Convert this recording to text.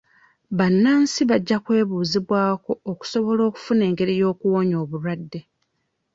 Bannansi bajja kwebuuzibwako okusobola okufuna engeri y'okuwonya obulwadde.